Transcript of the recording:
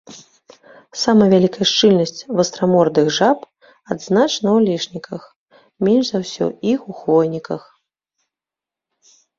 Самая вялікая шчыльнасць вастрамордых жаб адзначана ў алешніках, менш за ўсё іх у хвойніках.